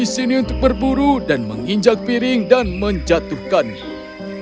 di sini untuk berburu dan menginjak piring dan menjatuhkannya